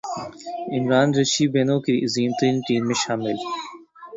Imran Richie Benaud کی عظیم ترین ٹیم میں شامل